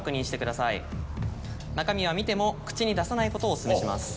中身は見ても口に出さないことをお勧めします。